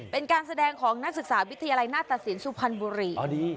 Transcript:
เป็นการแสดงของนักศึกษาวิทยาลัยหน้าตสินสุพรรณบุรี